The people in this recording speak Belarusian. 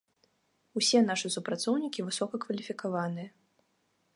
Усе нашы супрацоўнікі высокакваліфікаваныя.